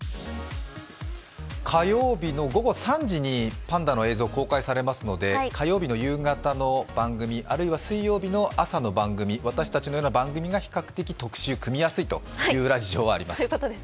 火曜日の午後３時にパンダの映像が公開されますので、火曜日の夕方の番組、あるいは水曜日の朝の番組私たちのような番組が比較的特集を組みやすいという裏事情があります。